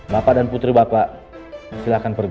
bapak dan putri bapak silahkan pergi